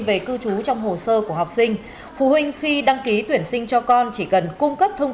về cư trú trong hồ sơ của học sinh phụ huynh khi đăng ký tuyển sinh cho con chỉ cần cung cấp thông